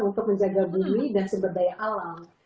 untuk menjaga bumi dan seberdaya alam